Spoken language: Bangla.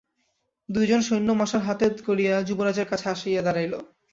দুইজন সৈন্য মশাল হাতে করিয়া যুবরাজের কাছে আসিয়া দাঁড়াইল।